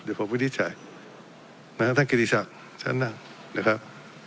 เดี๋ยวผมไม่ดีใจนะฮะท่านกิริสักฉันนั่งนะครับ